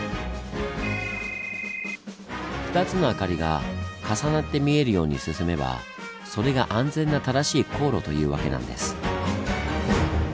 ２つの明かりが重なって見えるように進めばそれが安全な正しい航路というわけなんです。